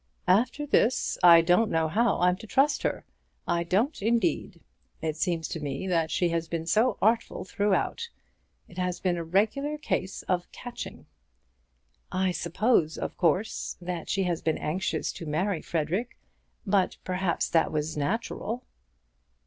"After this I don't know how I'm to trust her. I don't indeed. It seems to me that she has been so artful throughout. It has been a regular case of catching." "I suppose, of course, that she has been anxious to marry Frederic; but perhaps that was natural."